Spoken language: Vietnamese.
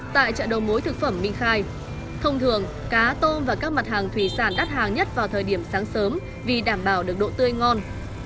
tại chợ đầu mối thực phẩm minh khai thông thường cá tôm và các mặt hàng thủy sản đắt hàng nhất vào thời điểm sáng sớm vì đảm bảo được độ tươi ngon